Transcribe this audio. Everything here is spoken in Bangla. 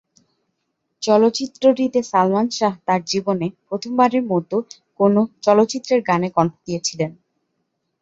চলচ্চিত্রটিতে সালমান শাহ তার জীবনে প্রথমবারের মত কোনো চলচ্চিত্রের গানে কণ্ঠ দিয়েছিলেন।